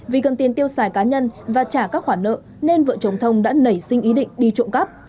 vì cần tiền tiêu xài cá nhân và trả các khoản nợ nên vợ chồng thông đã nảy sinh ý định đi trộm cắp